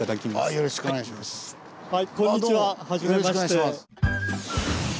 よろしくお願いします。